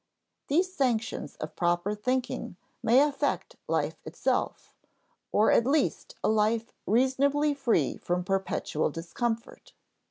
These sanctions of proper thinking may affect life itself, or at least a life reasonably free from perpetual discomfort.